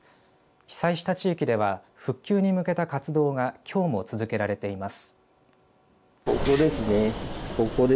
被災した地域では復旧に向けた活動がきょうも続けられています。